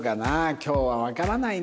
今日はわからないな。